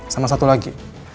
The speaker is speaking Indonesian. sama satu lagi